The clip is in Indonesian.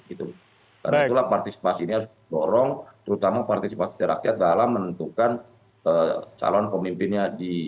karena itulah partisipasi ini harus di dorong terutama partisipasi rakyat dalam menentukan calon pemimpinnya di tph